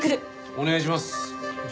お願いします。